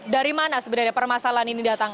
dari mana sebenarnya permasalahan ini datang